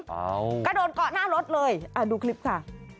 กระโดดเกาะหน้ารถเลยดูคลิปค่ะ